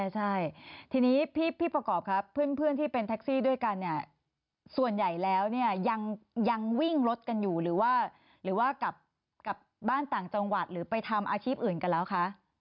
ใช่ทีนี้พี่ประกอบครับเพื่อนที่เป็นแท็กซี่ด้วยกันเนี่ยส่วนใหญ่แล้วเนี่ยยังวิ่งรถกันอยู่หรือว่าหรือว่ากลับบ้านต่างจังหวัดหรือไปทำอาชีพอื่นกันแล้วคะ